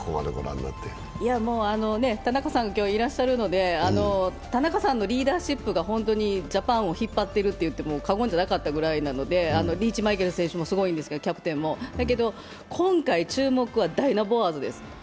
田中さんが今日いらっしゃるので、田中さんのリーダーシップが本当にジャパンを引っ張ってると言っても過言じゃないぐらいなのでリーチマイケル選手もキャプテンもすごいんですが、だけど今回、注目はダイナボアーズです。